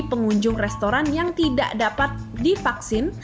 pengunjung restoran yang tidak dapat divaksin